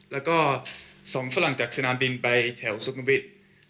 แล้วก็ส่งฝรั่งจากสนามบินไปแถวสุขุมวิทย์